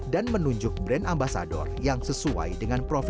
dan menunjuk brand ambasador yang sesuai dengan kondisi